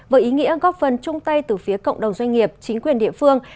với ý nghĩa góp phần chung tay từ phía cộng đồng doanh nghiệp chính quyền địa phương